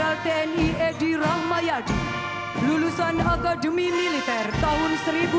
lulusan akademi militer tahun seribu sembilan ratus delapan puluh lima